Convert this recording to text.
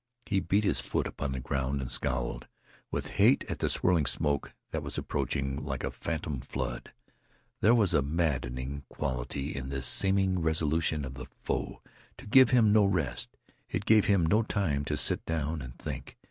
He beat his foot upon the ground, and scowled with hate at the swirling smoke that was approaching like a phantom flood. There was a maddening quality in this seeming resolution of the foe to give him no rest, to give him no time to sit down and think.